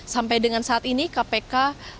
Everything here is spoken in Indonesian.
sampai dengan saat ini kpk